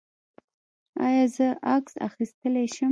ایا زه عکس اخیستلی شم؟